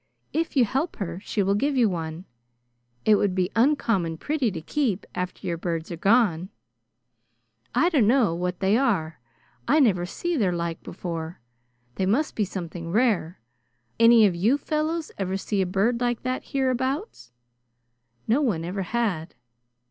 If you help her, she will give you one. It would be uncommon pretty to keep, after your birds are gone. I dunno what they are. I never see their like before. They must be something rare. Any you fellows ever see a bird like that hereabouts?" No one ever had.